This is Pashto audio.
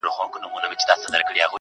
دا عجیبه شاني درد دی، له صیاده تر خیامه.